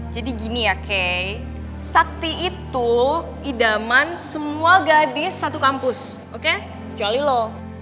jadi gini ya kay sakti itu idaman semua gadis satu kampus oke kecuali lo